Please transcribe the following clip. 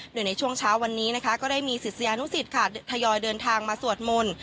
โดยในช่วงเช้าวันนี้นะคะก็ได้มีศิษยานุสิตค่ะทยอยเดินทางมาสวดมนต์